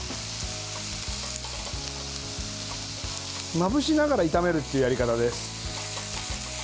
まぶしながら炒めるっていうやり方です。